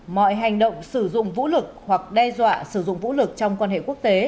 mọi hành động sử dụng vũ lực hoặc đe dọa sử dụng vũ lực trong quan hệ quốc tế